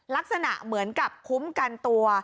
ลักษณะเหมือนกับคุ้มกันตัว